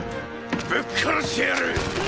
ぶっ殺してやる！！